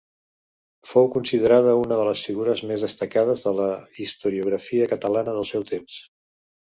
Fou considerada una de les figures més destacades de la historiografia catalana del seu temps.